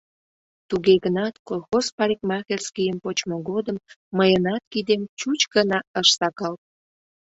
Туге гынат колхоз парикмахерскийым почмо годым мыйынат кидем чуч гына ыш сакалт.